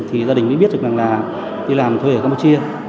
thì gia đình mới biết được rằng là đi làm thuê ở campuchia